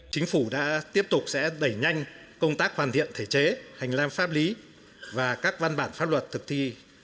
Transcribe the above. chính phủ đã tiếp tục sẽ đẩy nhanh công tác hoàn thiện thể chế hành lang pháp lý và các văn bản pháp luật thực thi